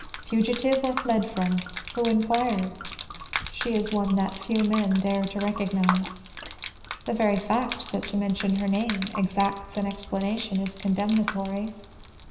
Fugitive, or fled from, who inquires? she is one that few men dare to recognize. The very fact that to mention her name exacts an explanation, is condemnatory.